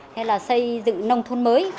hay là xây dựng nông thôn mới